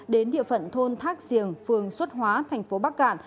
đến địa phận thôn thác giềng phường xuất hóa thành phố bắc cạn